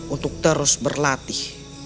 untuk terus berlatih